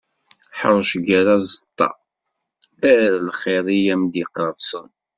Ḥrec, ger aẓeṭṭa, err lxiḍ i am-d-iqqersen.